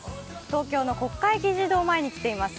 東京の国会議事堂前に来ています。